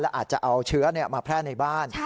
อาจจะเอาเชื้อมาแพร่ในบ้าน